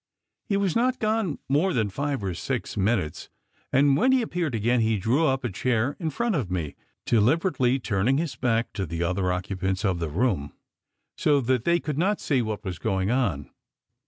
He was not gone more than five or six minutes, and when he appeared again he drew up a chair in front of me, de liberately turning his back to the other occupants of the room, so that they could not see what was going on.